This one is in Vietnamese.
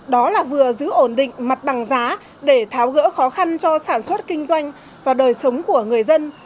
đó là vừa giữ ổn định mặt bằng giá để tháo gỡ khó khăn cho sản xuất kinh doanh và đời sống của người dân